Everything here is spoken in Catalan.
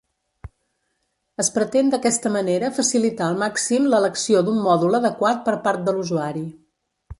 Es pretén d'aquesta manera facilitar el màxim l'elecció d'un mòdul adequat per part de l'usuari.